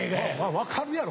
分かるやろ。